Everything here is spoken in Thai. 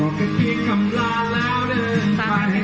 บอกกันทีคำลาแล้วเดินไป